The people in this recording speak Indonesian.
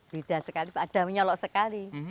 beda sekali ada menyolok sekali